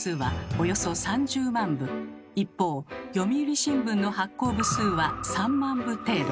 一方読売新聞の発行部数は３万部程度。